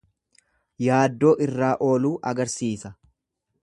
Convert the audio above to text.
Yaaddoo irraa ooluu agarsiisa.